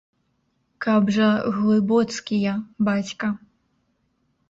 Каб жа глыбоцкія, бацька!